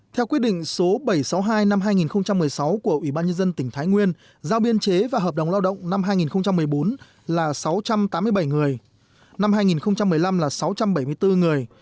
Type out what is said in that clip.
theo quyết định số bảy trăm sáu mươi hai năm hai nghìn một mươi sáu của ủy ban nhân dân tỉnh thái nguyên giao biên chế và hợp đồng lao động năm hai nghìn một mươi bốn là sáu trăm tám mươi bảy người năm hai nghìn một mươi năm là sáu trăm bảy mươi bốn người